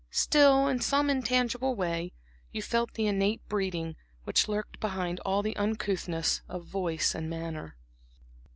Still, in some intangible way, you felt the innate breeding, which lurked behind all the uncouthness of voice and manner.